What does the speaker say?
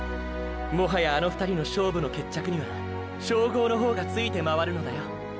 もはやあの２人の勝負の決着には称号の方がついて回るのだよ。